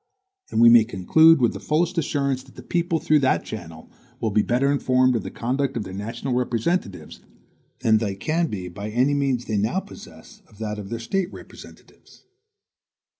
And we may conclude with the fullest assurance that the people, through that channel, will be better informed of the conduct of their national representatives, than they can be by any means they now possess of that of their State representatives.